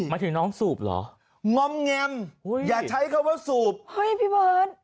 หมายถึงน้องสูบเหรองอมแงมอย่าใช้คำว่าสูบเฮ้ยพี่เบิร์ต